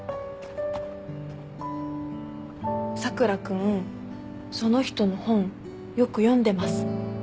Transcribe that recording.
佐倉君その人の本よく読んでます。